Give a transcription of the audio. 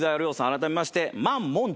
改めまして。